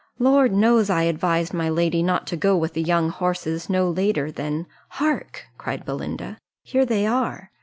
Lord knows, I advised my lady not to go with the young horses, no later than " "Hark!" cried Belinda, "here they are."